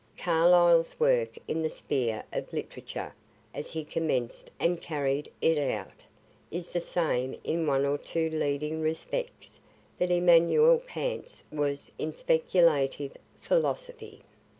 Carlyle's work in the sphere of literature as he commenced and carried it out, is the same in one or two leading respects that Immanuel Kant's was in speculative philosophy.